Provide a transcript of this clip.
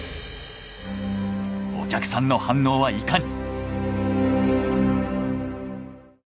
お客さんの反応はいかに？